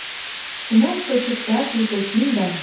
Кунам шочыкта туто киндым